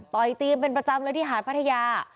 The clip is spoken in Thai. ต่อยตีมเป็นประจำเลยที่หาดพระทะยา